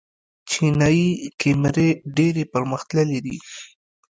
چینايي کیمرې ډېرې پرمختللې دي.